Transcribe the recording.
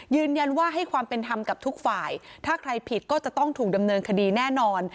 ยืนยันว่าให้ความเป็นธรรมกับทุกฝ่ายถ้าใครผิดก็จะต้องถูกดำเนินคดีแน่นอน